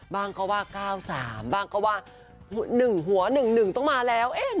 บ้างก็ว่า๙๓บ้างก็ว่า๑หัว๑๑ต้องมาแล้ว